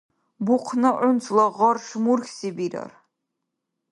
Бухъна унцла гъарш мурхьси бирар.